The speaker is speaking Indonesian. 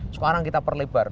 sekarang kita perlebar